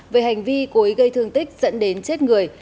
về hành vi cố ý gây thương tích dẫn đến chết người